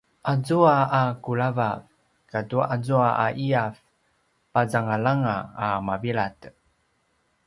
azua a kulavav kata azua a ’iyav pazangalanga a mavilad